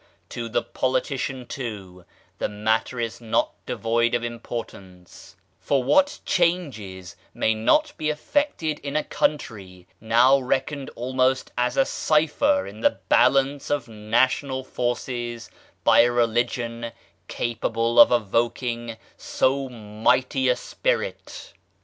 To the politician, too, the matter is not devoid of importance; for what changes may not be effected in a country now reckoned almost as a cypher in the balance of national forces by a religion capable of evoking so mighty a spirit?